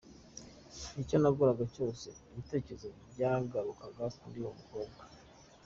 Icyo nakoraga cyose, ibitekerezo byagarukaga kuri wa mukobwa.